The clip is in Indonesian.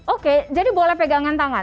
oke jadi boleh pegangan tangan